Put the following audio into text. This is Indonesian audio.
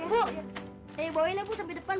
bu nanti bawa ini bu sampai depan